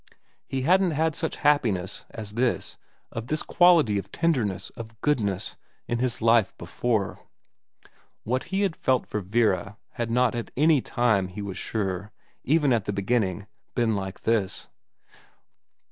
He hadn't had such happiness as this, of this quality of tenderness, of goodness, in his life before. What he had felt for Vera had not at any time, he was sure, even at the beginning, been like this.